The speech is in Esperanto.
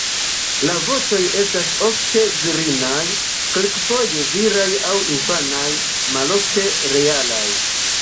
La voĉoj estas ofte virinaj, kelkfoje viraj aŭ infanaj, malofte realaj.